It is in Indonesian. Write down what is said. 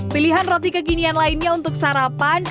pilihan roti kekinian lainnya untuk sarapan